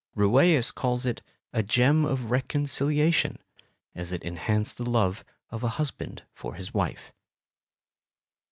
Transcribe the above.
Rueus calls it "a gem of reconciliation," as it enhanced the love of a husband for his wife.